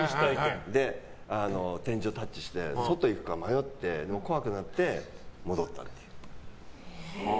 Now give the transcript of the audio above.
天井にタッチして外に行くか迷ってでも怖くなって戻ったんです。